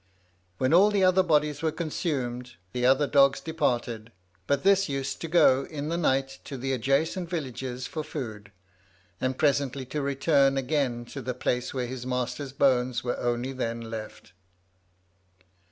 When all the other bodies were consumed, the other dogs departed, but this used to go in the night to the adjacent villages for food, and presently to return again to the place where his master's bones were only then left.